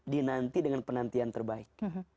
dinanti dengan penantian terbaik